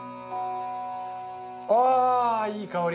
あいい香り。